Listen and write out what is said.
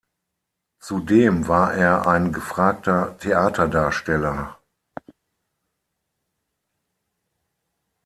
Zudem war er ein gefragter Theaterdarsteller.